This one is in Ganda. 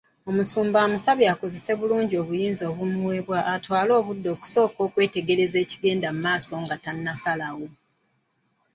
Omusumba amusabye akozese bulungi obuyinza obumuweebwa atwale obudde okusooka okwetegereza ekigenda mumaaso nga tannasalawo.